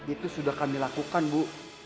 itu sudah kami lakukan bu